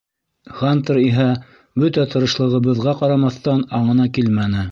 Хантер иһә, бөтә тырышлығыбыҙға ҡарамаҫтан, аңына килмәне.